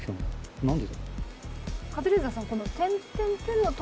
何で。